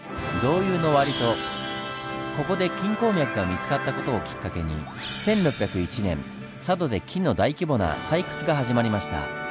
ここで金鉱脈が見つかった事をきっかけに１６０１年佐渡で金の大規模な採掘が始まりました。